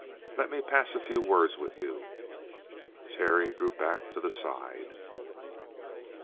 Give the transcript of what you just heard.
"Lemme pass a few words with you." Terry drew back to the side.